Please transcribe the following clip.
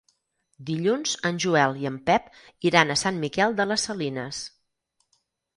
Dilluns en Joel i en Pep iran a Sant Miquel de les Salines.